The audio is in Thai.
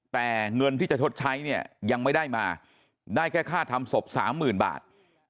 แต่เงินที่จะชดใช้เนี่ยยังไม่ได้มาได้แค่ค่าทำศพสามหมื่นบาท